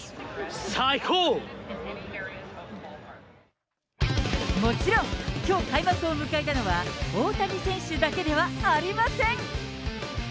さあ、もちろん、きょう開幕を迎えたのは大谷選手だけではありません。